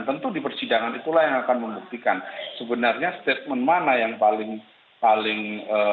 tentu di persidangan itulah yang akan membuktikan sebenarnya statement mana yang paling